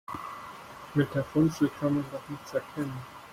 Mit der Funzel kann man doch nichts erkennen.